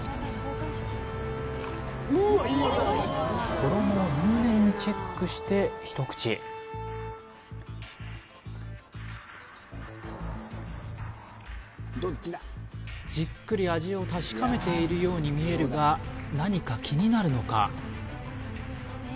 衣を入念にチェックしてひと口じっくり味を確かめているように見えるが何か気になるのか？